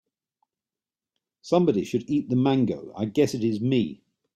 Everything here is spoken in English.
Somebody should eat the mango, I guess it is me.